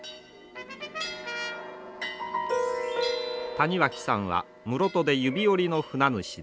谷脇さんは室戸で指折りの船主です。